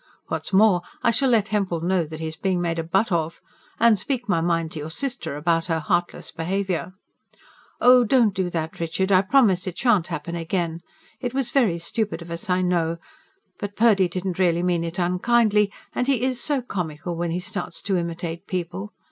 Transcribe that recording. What's more, I shall let Hempel know that he is being made a butt of. And speak my mind to your sister about her heartless behaviour." "Oh, don't do that, Richard. I promise it shan't happen again. It was very stupid of us, I know. But Purdy didn't really mean it unkindly; and he IS so comical when he starts to imitate people."